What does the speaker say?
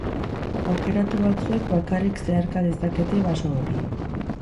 Aukeratu batzuek bakarrik zeharka dezakete baso hori.